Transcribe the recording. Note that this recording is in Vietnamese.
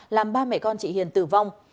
làm ba mẹ con chị hiền tử vong